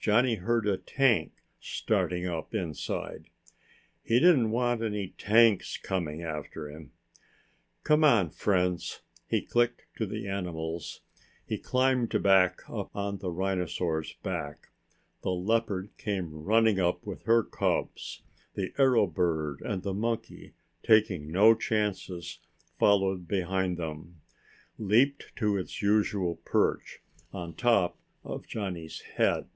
Johnny heard a tank starting up inside. He didn't want any tanks coming after him. "Come on, friends," he clicked to the animals. He climbed back up on the rhinosaur's back. The leopard came running up with her cubs. The arrow bird and the monkey, taking no chances, followed behind them, leaped to its usual perch the top of Johnny's head.